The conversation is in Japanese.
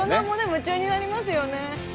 夢中になりますよね。